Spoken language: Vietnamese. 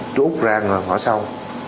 chú úc ra ngõ sau